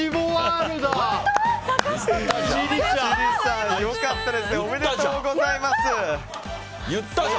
坂下さんおめでとうございます。